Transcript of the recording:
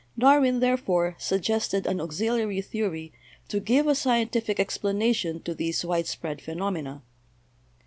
Darwin, therefore, suggested an auxiliary theory to give a scientific explanation to these widespread phenomena.